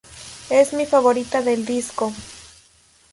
Es mi favorita del disco.